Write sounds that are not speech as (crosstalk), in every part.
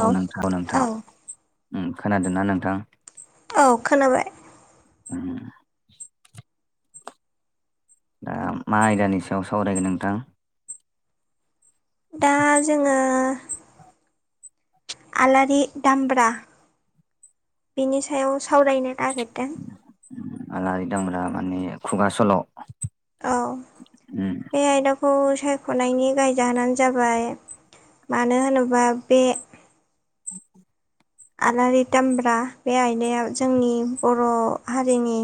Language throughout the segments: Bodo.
औ नोंथां औ नोंथां खोनादोंना नोंथां औ खोनाबाय (unintelligible) दा मा आयदानि सायाव सावरायगोन नोंथां दा जोङो आलारि दामब्रा बेनि सायाव सावरायनो नागिरदों आलारि दामब्रा माने खुगा सल' औ उम बे आयदाखौ सायख'नायनि गाहाय जाहोनानो जाबाय मानो होनोबा बे (inaudible) आलारि दामब्रा बे आयदाया जोंनि बर' हारिनि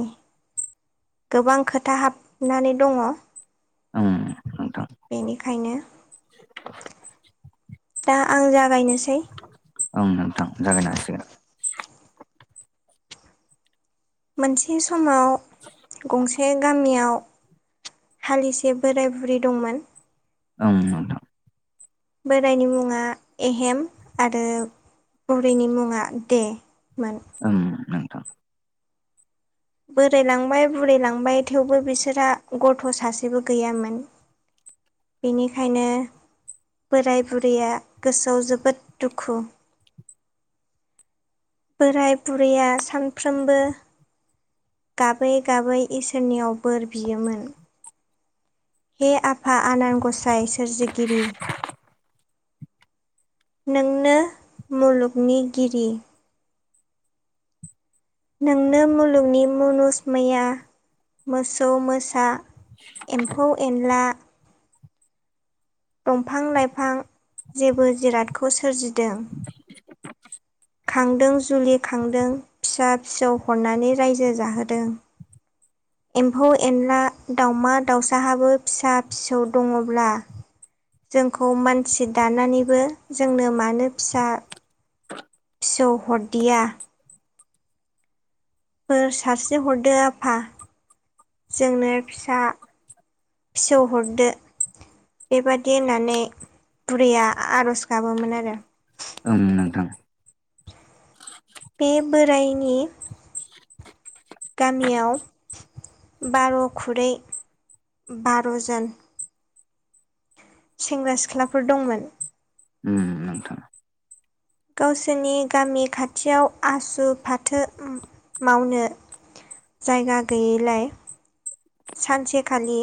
गोबां खोथा हाबनानै दङष उम नोंथां बेनिखायनो (inaudible) दा आं जागायनोसै ओं नोंथां जागायनो हासिगोन। मोनसे समाव गंसे गामियाव हालिसे बोराय बुरै दंमोन। ओम नोंथां बोरायनि मुङा एहेम आरो बरैनि मुङा दे मोन ओम नों बोरायलांबाय बुरायलांबाय थेवबो बिसोरहा गथ' सासेबो गैयामोन। (inaudible) बेनिखायनो बोराय बुरैया गोसोआव जोबोद दुखु (inaudible) बोराय बुरैया सानफ्रोमबो गाबै गाबै इसोरनियाव बोर बियोमोन। हे आफा आनान गसाइ सोरजिगिरि नोंनो मुलुगनिगिरि नोंनो मुलुगनि मुनुसमैया मोसौ मोसा एम्फौ एनला दंफां लाइफां जेबो जिरादखौ सोरजिदों। (inaudible) खांदों जुलि खांदों फिसा फिसौ हरनानै रायजो जाहोदों। (inaudible) एम्फौ एनला दाउमा दाउसाहाबो फिसा फिसौ दङब्ला जोंखौ मानसि दानानैबो जोंनो मानो फिसा फिसौ हरदिया। बोर सारस्रि हरदो आफा जोंनो फिसा फिसौ हरदो। बेबादि होननानै बुरैया आर'ज गाबोमोन आरो ओं नोंथां बे बोराइनि गामियाव बार' खुरै बार'जन सेंग्रा सिख्लाफोर दंमोन। उम नोंथां गावसोरनि गामि खाथियाव आसु फाथो मावनो जायगा गैयैलाय सानसेखालि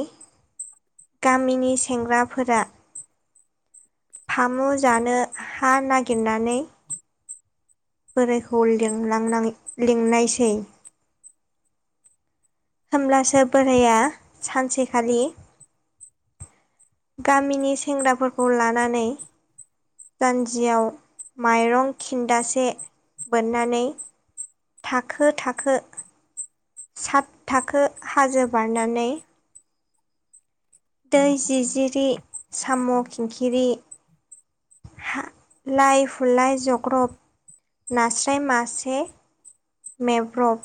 गामिनि सेंग्राफोरा फामु जानो हा नागिरनानै बोरायखौ लिंलांनाय लिंनायसै होमब्लासो बोराया सानसेखालि गामिनि सेंग्राफोरखौ लानानै जानजियाव माइरं खिनदासे बोननानै थाखो थाखो सात थाखो हाजो बारनानै दै जिजिरि साम' खिंखिरि लाइ हुलाय जग्रब नास्राय मासे मेब्रब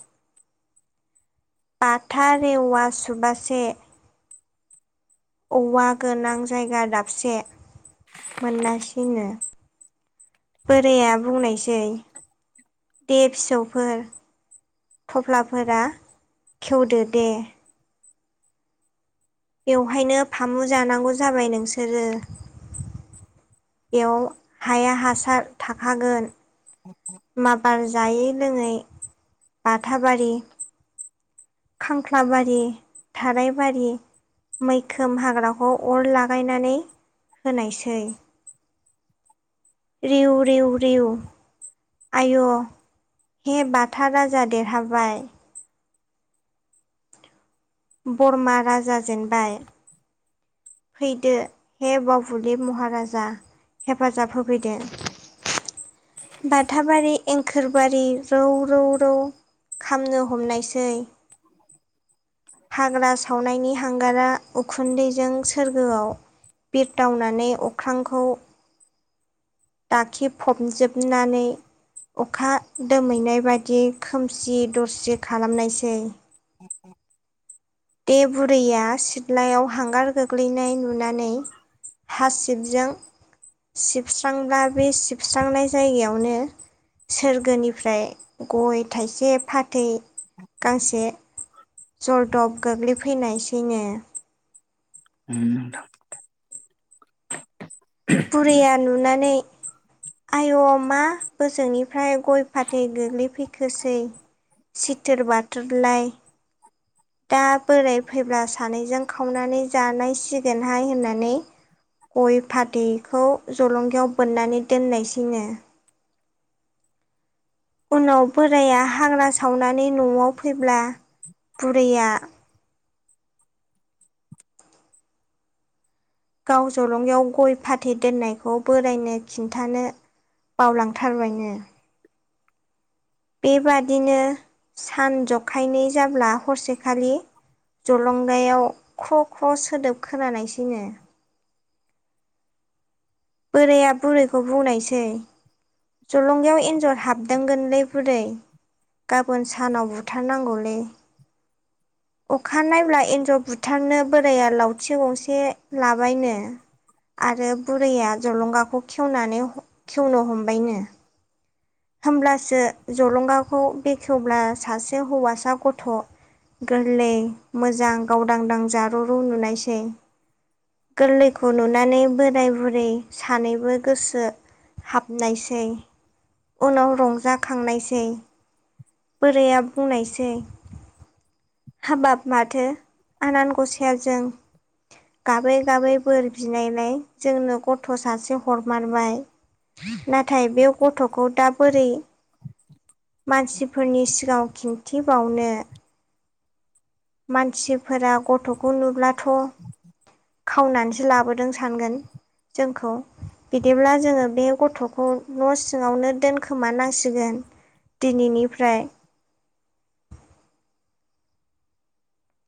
बाथा रेवा सुबासे औवा गोनां जायगा दाबसे मोनासिनो बोराया बुंनायसै दे फिसौफोर थफ्लाफोरा खेवदो दे बेवहायनो फामु जानांगौ जाबाय नोंसोरो एव हाया हासार थाखागोन माबार जायै लोङै बाथाबारि खांख्लाबारि थारायबारि मैखोम हाग्राखौ अर लागायनानै होनायसै रेउ रेउ रेउ आयु हे बाथा राजा देरहाबाय बरमा राजा जेनबाय फैदो हे बाबुलि महाराजा हेफाजाब होफैदो बाथाबारि एंखोरबारि रौ रौ रौ खामनो हमनायसै (inaudible) हाग्रा सावनायनि हांगारा उखुन्दैजों सोरगोआव बिरदावनानै अख्रांखौ दाखिफबजोबनानै अखा दोमैनाय बादि खोमसि दरसि खालामनायसै (inaudible) दे बुरैया सिथ्लायाव हांगार गोग्लैनाय नुनानै हासिबजों सिबस्रांब्ला बे सिबस्रांनाय जायगायावनो सोरगोनिफ्राय गय थाइसे फाथै गांसे जरदब गोग्लैफैनायसैनो उ नोंथां बुरिया नुनानै आय' मा बोजोंनिफ्राय गय फाथै गोग्लैफैखोसै सिथोर बाथोर लाय दा बोराय फैब्ला सानैजों खावनानै जानायसिगोनहाय होननानै गय फाथैखौ जलंगायाव बोननानै दोननायसैनो (inaudible) उनाव बोराइया हाग्रा सावनानै न'आव फैब्ला बुरैया गाव जलंगायाव गय फाथै दोननायखौ बोरायनो खिन्थानो बावलांथारबायनो बेबादिनो सान जखायनै जाब्ला हरसेखालि जलंगायाव ख' ख' सोदोब खोनानायसैनो बोराया बुरैखौ बुंनायसै जलंगायाव एन्जर हाबदोंगोनलै बुरै गाबोन सानाव बुथारनांगौलै (inaudible) अखा नायब्ला एन्जर बुथारनो बोराया लावथि गंसे लाबायनो आरो बुरैया जलंगाखौ खेवनानै खेवनो हमबायनो होमब्लासो जलंगाखौ बेखेवब्ला सासे हौवासा गथ' गोरलै मोजां गावदांदां जार रु नुनायसै गोरलैखौ नुनानै बोराय बुरै सानैबो गोसो हाबनायसै उनाव रंजाखांनायसै बोरया बुंनायसै हाबाब माथो आनान गसायाजों गाबै गाबै बोर बिनायलाय जोंनो गथ' सासे हरमारबाय नाथाय बे गथ'खौ दा बोरै मानसि फोरनि सिगाङाव खिन्थिबावनो मानसिफोरा गथ'खौ नुब्लाथ' खावनानैसो लाबोदों सानगोन जोंखौ बिदिब्ला जोङो बे गथ'खौ न' सिङावनो दोनखोमानांसिगोन दिनैनिफ्राय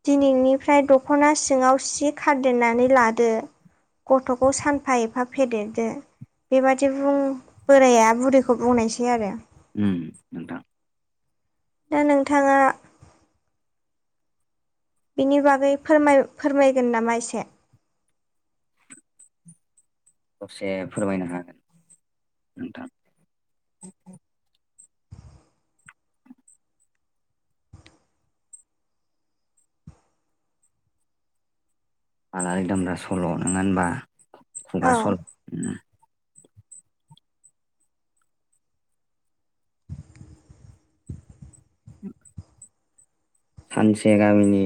दिनैनिफ्राय दख'ना सिङाव सि खारदेरनानै लादो गथ'खौ सानफा एफा फेदेरदो बेबादि बुं बोराया बुरैखौ बुंनायसै आरो उ नथ दा नोंथाङा बिनि बागै फोरमायगोन नामा एसे दसे फोरमायनो हागोन नोंथां आलारिदामब्रा सल' नोङा होनबा खुगा औ सल' सानसे गामिनि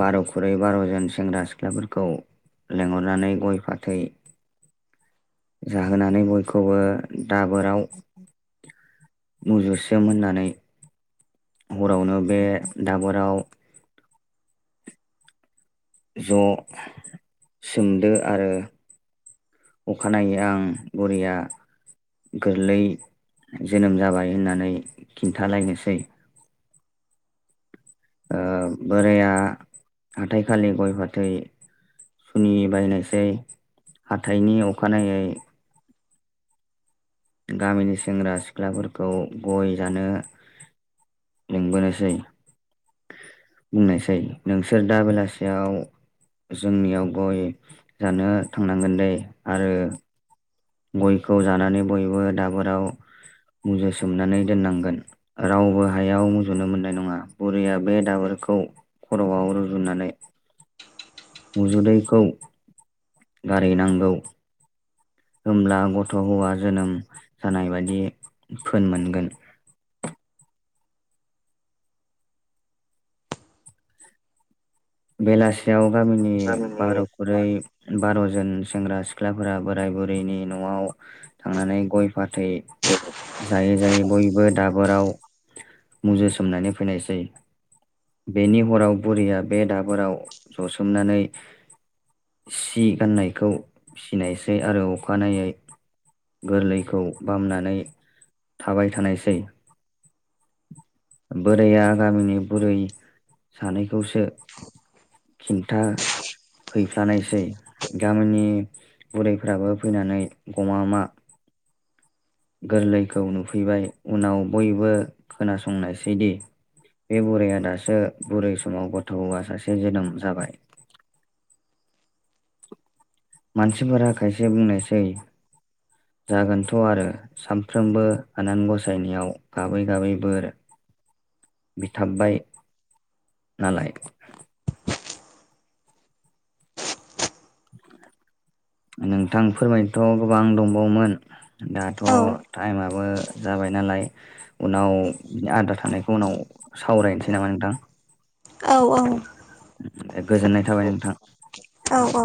बार'खुरुइ बार'जन सेंग्रा सिख्लाफोरखौ लेंहरनानै गय फाथै जाहोनानै बयखौबो दाबोराव मुजुसोम होननानै हरावनो बे दाबराव ज' सोमदो आरो अखानायै आं बुरिया गोरलै जोनोम जाबाय होननानै खिन्थालायनोसै बोराया हाथाइ खालि गय फाथै सुनि बायनायसै हाथाइनि अखानायै गामिनि सेंग्रा सिख्लाफोरखौ गय जानो लिगबोनोसै बुंनायसाय नोंसोर दा बेलासियाव जोंनियाव गय जानो थांनांगोन दै आरो गयखौ जानानै बयबो दाबोराव मुजुसोमनानै दोननांगोन रावबो हायाव मुजुनो मोननाय नङा बुरैया बे दाबोर खौ खर'आव रुजुनानै उजुदैखौ गारहैनांगौ होमब्ला गथ' हौवा जोनोम जानाय बादि फोन मोनगोन बेलासियाव गामिनि गामिनि बार' खुरै बार'जन सेंग्रा सिख्लाफोरा बोराय बुरैनि न'आव थांनानै गय फाथै जायै जायै बयबो दाबोरराव मुजुसोमनानै फैनायसै बेनि हराव बुरिया बे दाबोराव जसोमनानै सि गाननायखौ फिनायसै आरो अखानायै गोरलैखौ बामनानै थाबाय थानायसै बोराया गामिनि बुरै सानैखौसो खिन्था हैैफ्लानायसै गामिनि बुरैफ्राबो फैनानै गमामा गोरलैखौ नुफैबाय उनाव बयबो खोनासंनायसैदि बे बुरैया दासो बुरै समाव गथ' हौवा सासे जोनोम जाबाय मानसिफोरा खायसे बुंनायसै जागोनथ' आरो सामफ्रोमबो आनान गसायनियाव गाबै गाबै बोर बिथाबबाय नालाय नोंथां फोरमायनोथ' गोबां दंबावोमोन दाथ' औ टाइमाबो जाबाय नालाय उनाव बिनि आद्रा थानायखौ उनाव सावरायनोसै नामा नोंथां औ औ दे गोजोननाय थाबाय नोंथां औ औ